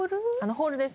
ホールです。